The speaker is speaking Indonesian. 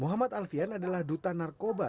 muhammad alfian adalah duta narkoba